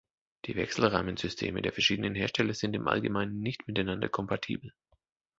Die Wechselrahmen-Systeme der verschiedenen Hersteller sind im Allgemeinen nicht miteinander kompatibel.